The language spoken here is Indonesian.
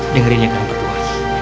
dengerin yang kamu berdua